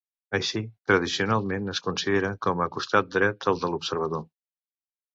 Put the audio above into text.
Així, tradicionalment es considera com a costat dret el de l'observador.